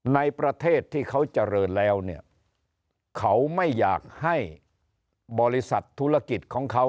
ในประเทศที่เขาเจริญแล้วเนี่ยเขาไม่อยากให้บริษัทธุรกิจของเขา